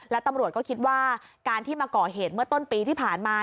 และตำรวจก็คิดว่าการที่มาก่อเหตุเมื่อต้นปีที่ผ่านมา